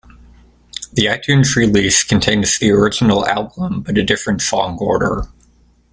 The iTunes release contains the original album, but a different song order.